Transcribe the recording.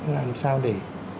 làm sao để